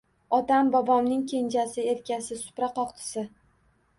Otam bobomning kenjasi – erkasi, supra qoqdisi.